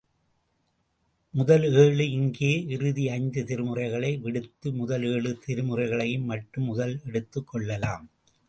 முதல் ஏழு இங்கே, இறுதி ஐந்து திருமுறைகளை விடுத்து, முதல் ஏழு திருமுறைகளை மட்டும் முதலில் எடுத்துக் கொள்ளலாம்.